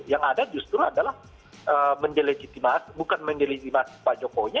yang ada justru adalah mendelegitimasi bukan mendelegitimasi pak jokowi